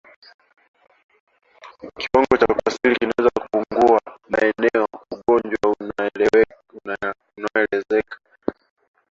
Kiwango cha kuathiri kinaweza kupungua maeneo ugonjwa umezoeleka